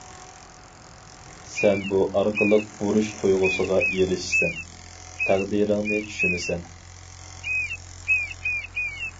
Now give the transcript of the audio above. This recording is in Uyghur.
سەن بۇ ئارقىلىق بۇرچ تۇيغۇسىغا ئېرىشىسەن، تەقدىرىڭنى چۈشىنىسەن.